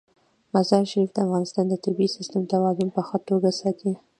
مزارشریف د افغانستان د طبعي سیسټم توازن په ښه توګه ساتي.